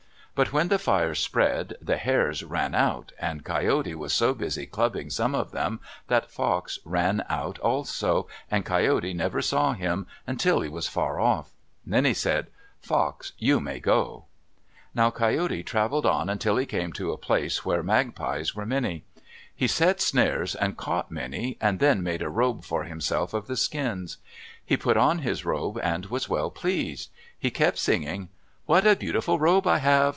But when the fire spread, the hares ran out and Coyote was so busy clubbing some of them that Fox ran out also, and Coyote never saw him until he was far off. Then he called, "Fox, you may go." Now Coyote traveled on until he came to a place where magpies were many. He set snares and caught many, and then made a robe for himself of the skins. He put on his robe and was well pleased. He kept singing, What a beautiful robe I have!